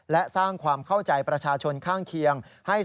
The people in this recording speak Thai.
และสร้างความเข้าใจประชาชนข้างเคียง